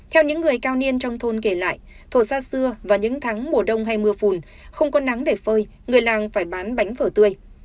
theo những người cao niên trong thôn kể lại thổ xa xưa và những tháng mùa đông hay mưa phùn không có nắng để phơi người làng phải bán bánh phở tươi